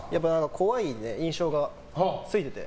怖い印象がついていて。